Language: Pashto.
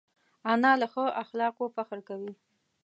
انا له ښو اخلاقو فخر کوي